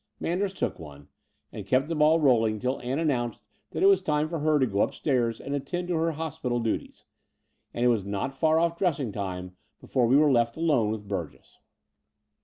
Manders took one, and kept the ball rolling till The Dower House 219 Ann announced that it was time for her to go up stairs and attend to her hospital duties ; and it was not far oflE dressing time before we were left alone with Burgess.